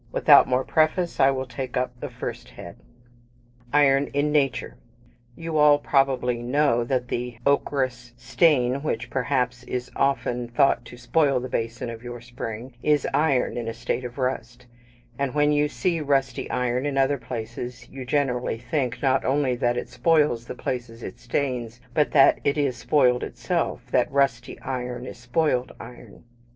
Without more preface, I will take up the first head. I. IRON IN NATURE. You all probably know that the ochreous stain, which, perhaps, is often thought to spoil the basin of your spring, is iron in a state of rust: and when you see rusty iron in other places you generally think, not only that it spoils the places it stains, but that it is spoiled itself that rusty iron is spoiled iron.